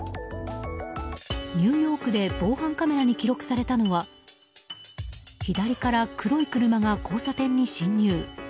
ニューヨークで防犯カメラに記録されたのは左から黒い車が交差点に進入。